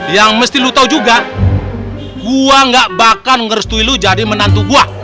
yang mesti lu tahu juga gua gak bahkan ngerestui lu jadi menantu gua